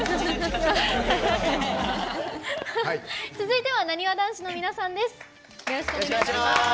続いてはなにわ男子の皆さんです。